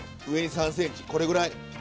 上に３センチこれぐらい？